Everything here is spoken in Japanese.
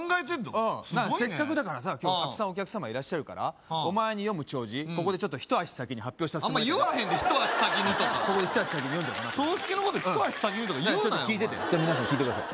すごいねせっかくだからさ今日たくさんお客様いらっしゃるからお前に読む弔辞ここで一足先に発表させてもらいたいなとあんま言わへんで一足先にとかここで一足先に読んじゃおうかな葬式のこと一足先にとか言うなよちょっと聞いてて皆さんも聞いてください